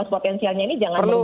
potensialnya ini jangan